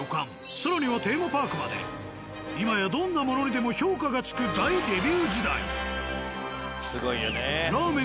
更にはテーマパークまで今やどんなものにでも評価がつく大レビュー時代。